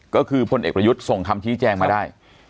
ก็คือพลเอกประยุทธ์ส่งคำชี้แจงมาได้